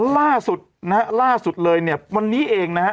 ล่าสุดนะฮะล่าสุดเลยเนี่ยวันนี้เองนะฮะ